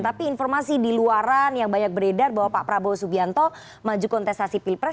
tapi informasi di luaran yang banyak beredar bahwa pak prabowo subianto maju kontestasi pilpres